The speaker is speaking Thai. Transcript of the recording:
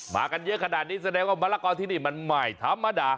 มากันเยอะขนาดนี้แสดงว่ามะละกอที่นี่มันไม่ธรรมดา